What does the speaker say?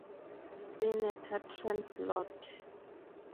Senator Trent Lott.